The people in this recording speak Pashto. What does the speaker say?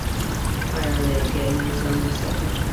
ایا له ګرمۍ ځان وساتم؟